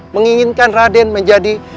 menginginkan raden menjadi